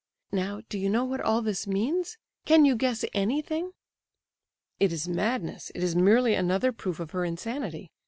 Now, do you know what all this means? Can you guess anything?" "It is madness—it is merely another proof of her insanity!"